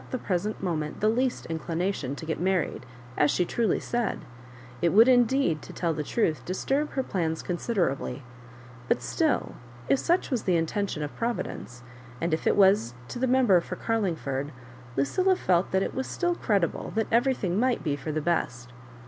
he present mo ment the least mclination to get married, as she truly said; it would, indeed, to tell the truth, disturb her plans considerably ; but still, if such was the intention of Providence, and if it was to the Member for Carlingford, Lucilla felt that it was still credible that everything might be for tlie best.